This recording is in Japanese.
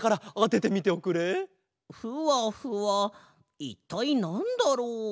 ふわふわいったいなんだろう？